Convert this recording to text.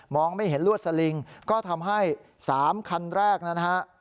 ไม่เห็นลวดสลิงก็ทำให้๓คันแรกนะฮะ